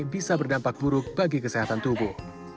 bisa berdampak buruk bagi kesehatan tubuh